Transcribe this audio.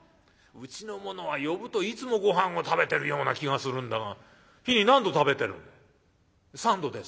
うちの者は呼ぶといつもごはんを食べてるような気がするんだが日に何度食べてるんだ？」。